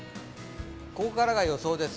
ここからが予想です。